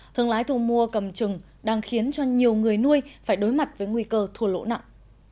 thương lái thu mua cầm trừng đang khiến cho nhiều người nuôi phải đối mặt với nguy cơ thua lỗ nặng